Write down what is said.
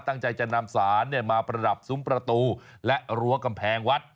ตั้งใจจะนำสารมาประดับซุ้มประตูและรั้วกำแพงวัด